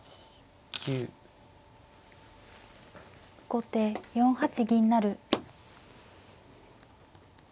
後手４八銀成。